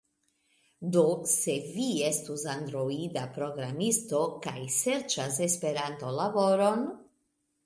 Do, se vi estus Androida programisto kaj serĉas Esperanto-laboron